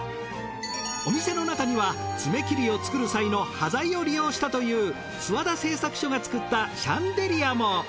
お店の中には爪切りを作る際の端材を利用したという諏訪田製作所が作ったシャンデリアも。